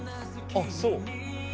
あっそう。